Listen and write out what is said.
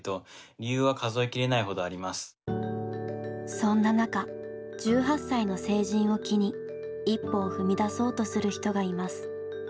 そんな中１８歳の成人を機に一歩を踏み出そうとする人がいます。